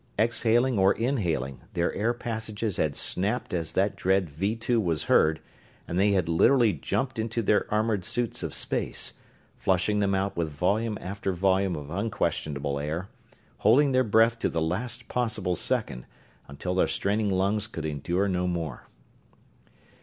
Exhaling or inhaling, their air passages had snapped as that dread "Vee Two" was heard, and they had literally jumped into their armored suits of space flushing them out with volume after volume of unquestionable air; holding their breath to the last possible second, until their straining lungs could endure no more.